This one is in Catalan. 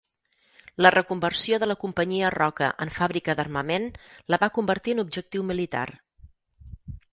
La reconversió de la Companyia Roca en fàbrica d’armament la va convertir en objectiu militar.